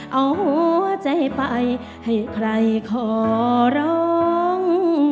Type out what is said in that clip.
เอาหัวใจไปให้ใครขอร้อง